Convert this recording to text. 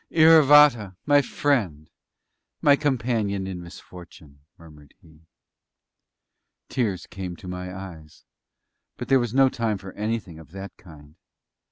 "Iravata! my friend, my companion in misfortune!" murmured he. Tears came to my eyes; but there was no time for anything of that kind!